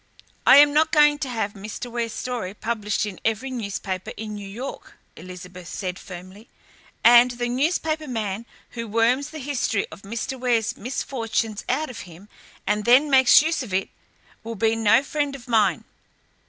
"I am not going to have Mr. Ware's story published in every newspaper in New York," Elizabeth said firmly, "and the newspaper man who worms the history of Mr. Ware's misfortunes out of him, and then makes use of it, will be no friend of mine.